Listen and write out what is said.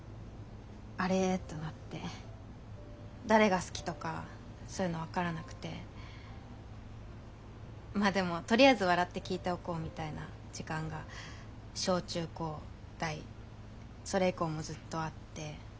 誰が好きとかそういうの分からなくてまあでもとりあえず笑って聞いておこうみたいな時間が小中高大それ以降もずっとあって。